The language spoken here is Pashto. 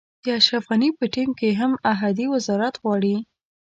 د اشرف غني په ټیم کې هم احدي وزارت غواړي.